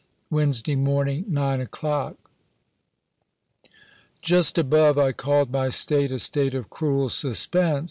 "Wednesday morninge, "9 o'clock." Just above I called my state, a state of cruel suspense.